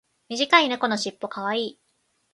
短い猫のしっぽ可愛い。